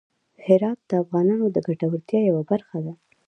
هرات د افغانانو د ګټورتیا یوه برخه ده.